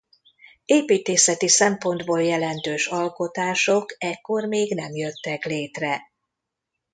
Építészeti szempontból jelentős alkotások ekkor még nem jöttek létre.